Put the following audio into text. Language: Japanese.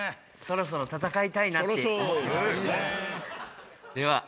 そろそろ戦いたいなっていう。